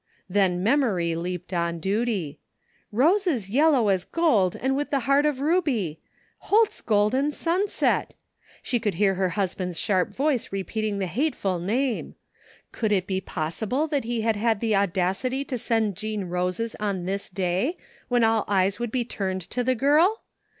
Then memory leaped on duty. Roses yellow as gold and with a heart of ruby ! Holt's Golden Sunset ! She could hear her husband's sharp voice repeating the hateful name. Could it be possible that he had had the audacity to send Jean roses on this day, when all eyes would be turned to the girl?